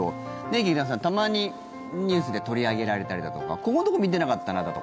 劇団さん、たまにニュースで取り上げられたりだとかここのところ見てなかったなだとか。